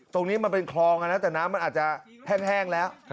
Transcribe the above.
ตรงนี้มันเป็นคลองนะแต่น้ำมันอาจจะแห้งแล้ว